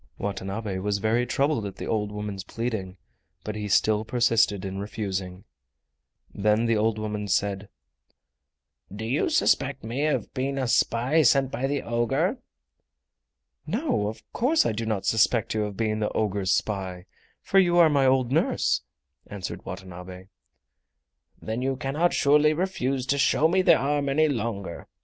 Watanabe was very troubled at the old woman's pleading, but he still persisted in refusing. Then the old woman said: "Do you suspect me of being a spy sent by the ogre?" "No, of course I do not suspect you of being the ogre's spy, for you are my old nurse," answered Watanabe. "Then you cannot surely refuse to show me the arm any longer."